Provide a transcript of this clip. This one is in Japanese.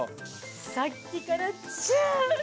さっきからジューッ！